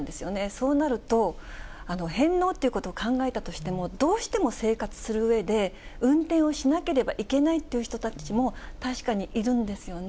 そうなると、返納っていうことを考えたとしても、どうしても生活するうえで、運転をしなければいけないっていう人たちも確かにいるんですよね。